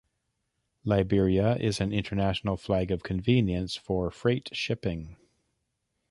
Liberia is an international flag of convenience for freight shipping.